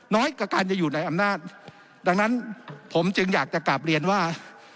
น้อยกว่าการจะอยู่ในอำนาจดังนั้นผมจึงอยากจะกลับเรียนว่า